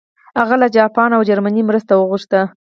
هغه له جاپان او جرمني مرسته وغوښته.